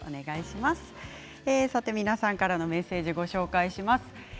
皆さんからのメッセージをご紹介します。